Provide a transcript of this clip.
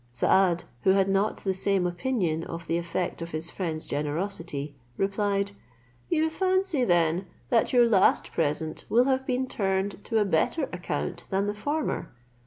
Saad, who had not the same opinion of the effect of his friend's generosity, replied, "You fancy then that your last present will have been turned to a better account than the former.